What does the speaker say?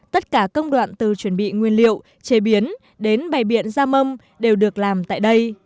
tất cả công đoạn từ chuẩn bị nguyên liệu chế biến đến bày biện gia mâm đều được làm tại đây